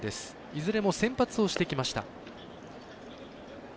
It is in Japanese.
いずれも先発をしてきました。